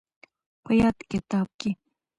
په ياد کتاب کې